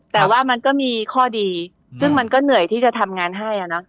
แต่ว่ามันก็มีข้อดีซึ่งมันก็เหนื่อยที่จะทำงานให้